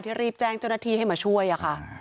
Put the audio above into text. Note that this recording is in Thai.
รีบแจ้งเจ้าหน้าที่ให้มาช่วยค่ะ